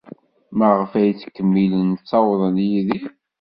Maɣef ay ttkemmilen ttawḍen Yidir?